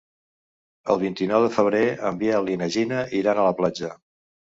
El vint-i-nou de febrer en Biel i na Gina iran a la platja.